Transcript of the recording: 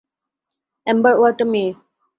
Ember, ও একটা মেয়ে।